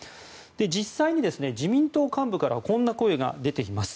実際に、自民党幹部からはこんな声が出ています。